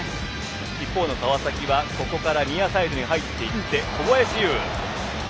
一方の川崎はここからニアタイムに入っていって小林悠。